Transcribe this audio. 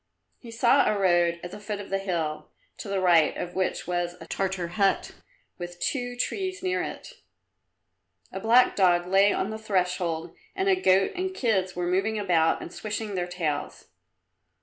He saw a road at the foot of a hill, to the right of which was a Tartar hut with two trees near it. A black dog lay on the threshold and a goat and kids were moving about and swishing their tails.